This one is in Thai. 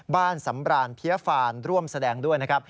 บ้านสำรานเพี้ยฟานร่วมแสดงด้วยนะครับ